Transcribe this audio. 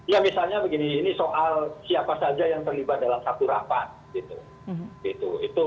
ya misalnya begini ini soal siapa saja yang terlibat dalam satu rapat gitu